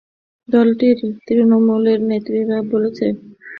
দলটির তৃণমূলের নেতাকর্মীরা বলছেন, তাদের অনেক প্রশ্নের মুখোমুখি হতে হচ্ছে।